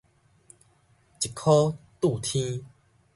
一箍拄天